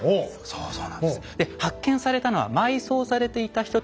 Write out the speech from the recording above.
そうそうなんです。